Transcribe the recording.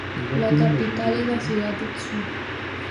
La capital es la ciudad de Tsu.